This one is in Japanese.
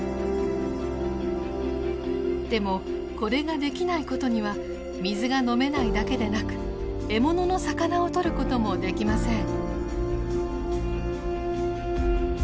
でもこれができないことには水が飲めないだけでなく獲物の魚を捕ることもできません。